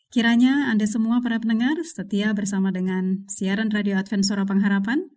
kiranya anda semua para pendengar setia bersama dengan siaran radio advent suara pengharapan